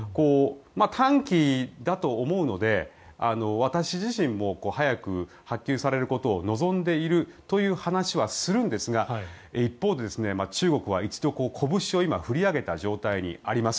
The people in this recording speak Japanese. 短期だと思うので私自身も早く発給されることを望んでいるという話はするんですが、一方で中国は一度こぶしを振り上げた状態にあります。